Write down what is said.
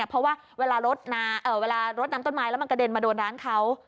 เพราะว่าเวลารถน้ำต้นไม้แล้วมันกระเด็นมาโดนร้านเขา